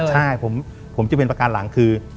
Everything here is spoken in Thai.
ใช่ผมจะเป็นประการหลังคือ